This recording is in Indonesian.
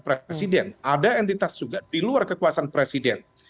presiden ada entitas juga di luar kekuasaan presiden